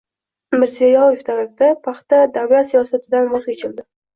Mirziyoyev davrida paxta davlat siyosatidan voz kechildi.